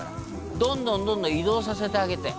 「どんどんどんどん移動させてあげて」